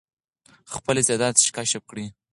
خپل استعداد کشف کړئ.